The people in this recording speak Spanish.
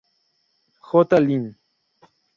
J. Linn.